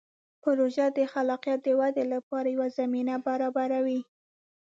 پروژه د خلاقیت د ودې لپاره یوه زمینه برابروي.